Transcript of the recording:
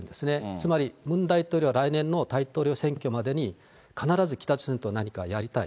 つまり、ムン大統領は来年の大統領選挙までに、必ず北朝鮮と何かやりたい。